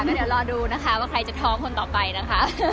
ก็เดี๋ยวรอดูนะคะว่าใครจะท้องคนต่อไปนะคะ